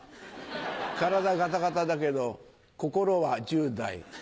体ガタガタだけど心は１０代。